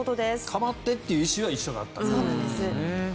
構ってという意思は一緒だったと。